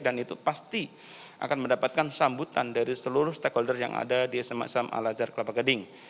dan itu pasti akan mendapatkan sambutan dari seluruh stakeholder yang ada di sma islam al azhar kelapa gading